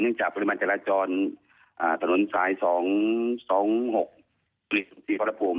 เนื่องจากปริมาณจราจรถนนสาย๒๒๖ปริศนิษฐ์พภ